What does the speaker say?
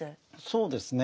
そうですね。